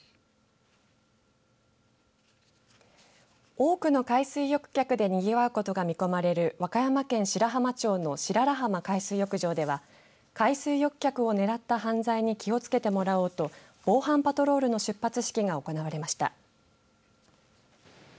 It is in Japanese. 多くの海水浴客でにぎわうことが見込まれる和歌山県白浜町の白良浜海水浴場では海水浴客を狙った犯罪に気をつけてもらおうと防犯パトロールの出発式が行われました。